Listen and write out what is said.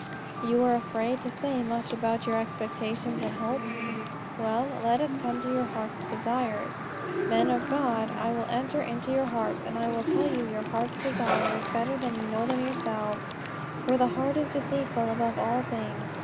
You are afraid to say much about your expectations and your hopes. Well; let us come to your hearts' desires. Men of God, I will enter into your hearts and I will tell you your hearts' desires better than you know them yourselves; for the heart is deceitful above all things.